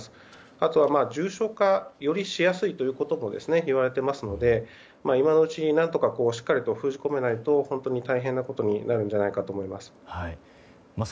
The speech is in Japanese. あとは、重症化よりしやすいということといわれていますので今のうちに何とかしっかり封じ込めないと本当に大変なことになると思います。